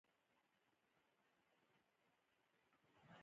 راکټ د پوځ ستراتیژي بدله کړې ده